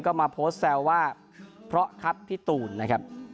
ก็มาโพสต์แซวว่าเพราะครับพี่ตูนนะครับ